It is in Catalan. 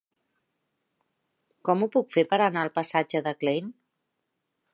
Com ho puc fer per anar al passatge de Klein?